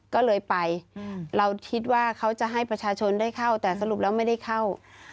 ก็เลยไปเราคิดว่าเขาจะให้ประชาชนได้เข้าแต่สรุปแล้วไม่ได้เข้า